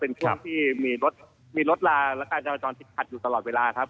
เป็นช่วงที่มีรถลาและการจำจอดผิดผัดอยู่ตลอดเวลา